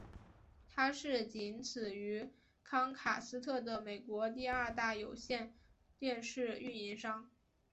它是仅此于康卡斯特的美国第二大有线电视运营商。